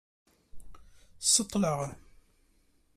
Ṣeṭṭleɣ